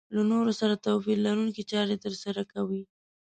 له نورو سره توپير لرونکې چارې ترسره کوي.